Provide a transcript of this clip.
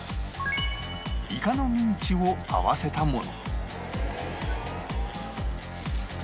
イカのミンチを合わせたもの